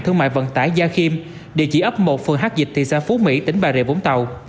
thương mại vận tải gia khiêm địa chỉ ấp một phường hát dịch thị xã phú mỹ tỉnh bà rịa vũng tàu